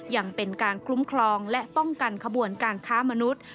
ยังเป็นการคุ้มครองและป้องกันขบวนการค้ามนุษย์